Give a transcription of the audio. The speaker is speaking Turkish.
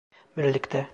Birlikte.